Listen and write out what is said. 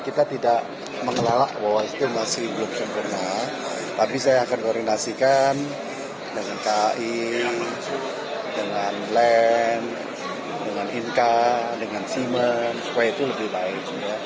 kita tidak mengelola bahwa itu masih belum sempurna tapi saya akan koordinasikan dengan kai dengan len dengan inka dengan simen supaya itu lebih baik